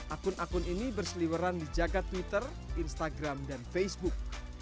akun akun ini berseliweran di jaga twitter instagram dan facebook